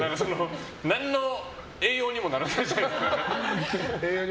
何の栄養にもならないじゃないですか。